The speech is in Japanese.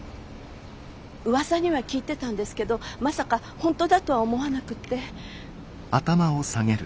うわさには聞いてたんですけどまさか本当だとは思わなくって。